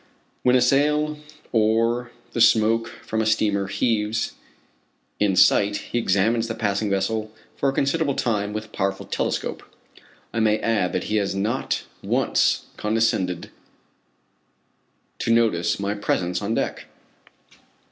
When a sail or the smoke from a steamer heaves in sight he examines the passing vessel for a considerable time with a powerful telescope. I may add that he has not once condescended to notice my presence on deck.